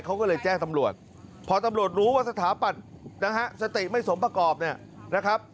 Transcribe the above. เขาก็เลยแจ้งตำรวจพอตำรวจรู้ว่าสถาปันสติไม่สมปรากอบนะครับ